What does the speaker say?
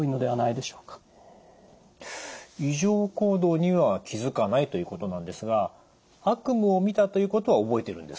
異常行動には気づかないということなんですが悪夢をみたということは覚えているんですか？